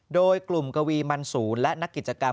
โดยกลุ่มกวีมันศูนย์และนักกิจกรรม